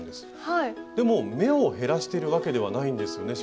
でも目を減らしてるわけではないんですよね？